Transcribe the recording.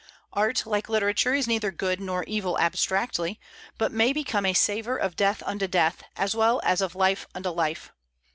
Art, like literature, is neither good nor evil abstractly, but may become a savor of death unto death, as well as of life unto life.